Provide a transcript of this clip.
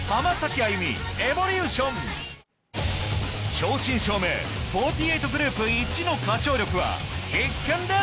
正真正銘４８グループいちの歌唱力は必見です！